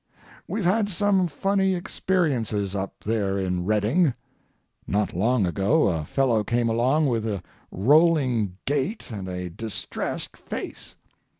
We've had some funny experiences up there in Redding. Not long ago a fellow came along with a rolling gait and a distressed face.